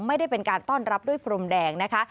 ไม่ได้เป็นการต้อนรับด้วยพรมแดงนะคะ